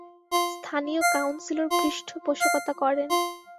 স্থানীয় কাউন্সিলর পৃষ্ঠপোষকতা করেন।